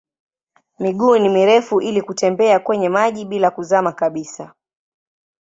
Miguu ni mirefu ili kutembea kwenye maji bila kuzama kabisa.